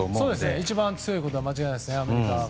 一番強いことは間違いないですね、アメリカが。